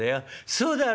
『そうだろ？』